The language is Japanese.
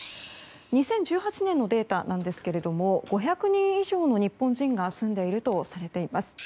２０１８年のデータなんですが５００人以上の日本人が住んでいるとされています。